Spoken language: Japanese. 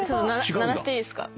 鳴らしていいですか？